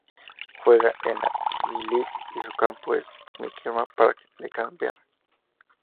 Juega en la W-League y su campo es McKellar Park de Canberra.